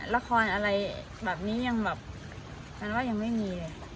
ละครอะไรแบบนี้